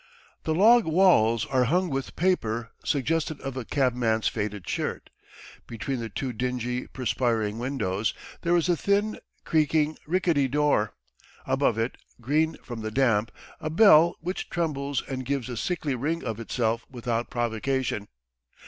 The log walls are hung with paper suggestive of a cabman's faded shirt. Between the two dingy, perspiring windows there is a thin, creaking, rickety door, above it, green from the damp, a bell which trembles and gives a sickly ring of itself without provocation.